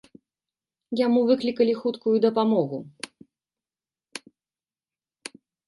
Яму выклікалі хуткую дапамогу.